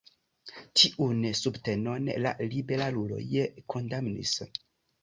Tiun subtenon la liberaluloj kondamnis.